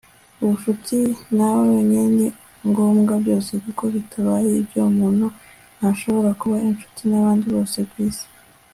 ubucuti nawe wenyine ni ngombwa-byose, kuko bitabaye ibyo umuntu ntashobora kuba inshuti nabandi bose kwisi